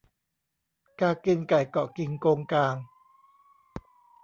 กากินไก่เกาะกิ่งโกงกาง